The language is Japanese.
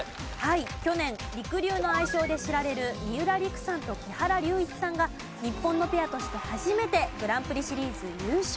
去年りくりゅうの愛称で知られる三浦璃来さんと木原龍一さんが日本のペアとして初めてグランプリシリーズ優勝。